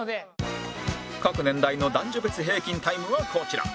各年代の男女別平均タイムはこちら